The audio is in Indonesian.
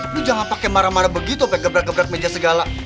lo jangan pake marah marah begitu pake gebrat gebrat meja segala